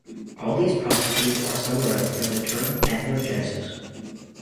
All these processes are summarized under the term ethnogenesis.